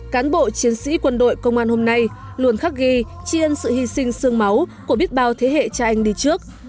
cán bộ chiến sĩ quân đội công an hôm nay luôn khắc ghi chi ân sự hy sinh sương máu của biết bao thế hệ cha anh đi trước